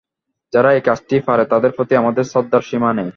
যারা এই কাজটি পারে তাঁদের প্রতি আমাদের শ্রদ্ধার সীমা নেই।